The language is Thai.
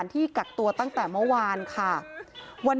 มีแต่เสียงตุ๊กแก่กลางคืนไม่กล้าเข้าห้องน้ำด้วยซ้ำ